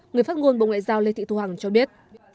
người phát ngôn bộ ngoại giao lê thị thu hằng cho biết